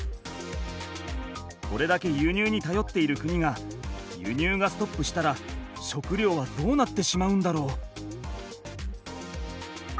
これだけ輸入にたよっている国が輸入がストップしたら食料はどうなってしまうんだろう？